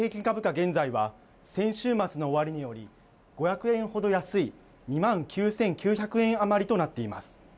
現在は先週末の終値より５００円ほど安い２万９９００円余りとなっています。